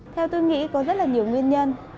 theo tôi nghĩ có rất là nhiều nguyên nhân